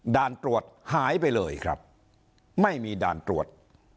ด่านตรวจหายไปเลยครับไม่มีด่านตรวจ